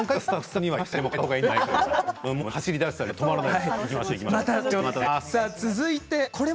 でも走り出したら止まらない。